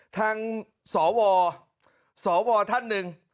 สวสวท่านหนึ่ง